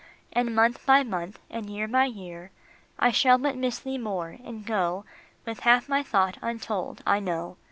And month by month, and year by year, I shall but miss thee more, and go With half my thought untold, I know.